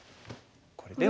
これでは。